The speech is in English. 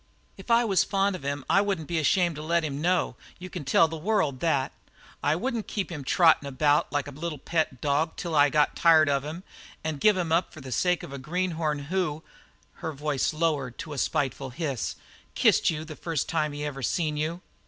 "If I was fond of him I wouldn't be ashamed to let him know, you can tell the world that. And I wouldn't keep him trottin' about like a little pet dog till I got tired of him and give him up for the sake of a greenhorn who" her voice lowered to a spiteful hiss "kissed you the first time he even seen you!"